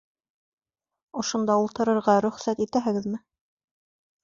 — Ошонда ултырырға рөхсәт итәһегеҙме?